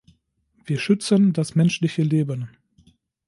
Wir schützen das menschliche Leben.